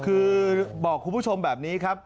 คือบอกคุณผู้ชมแบบนี้ครับ